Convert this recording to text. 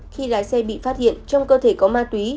khi lái xe bị phát hiện trong cơ thể có ma túy